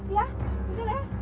iya bener ya